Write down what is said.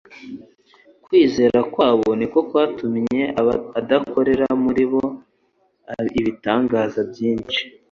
Kwizera kwa bo niko kwatumye adakorera muri bo ibitangaza byinshi.